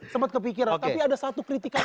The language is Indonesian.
sempat kepikiran tapi ada satu kritikan